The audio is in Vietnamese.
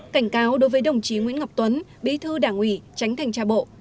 cảnh cáo đối với đồng chí nguyễn ngọc tuấn bí thư đảng ủy tránh thanh tra bộ